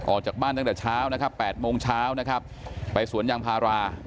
ออกจากบ้านตั้งแต่เช้านะครับ๘โมงเช้านะครับไปสวนยางพารา